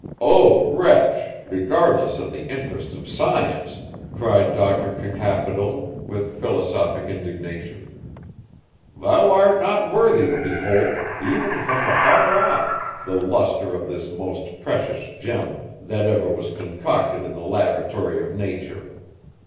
'O wretch, regardless of the interests of science!' cried Doctor Cacaphodel, with philosophic indignation. 'Thou art not worthy to behold, even from afar off, the lustre of this most precious gem that ever was concocted in the laboratory of Nature.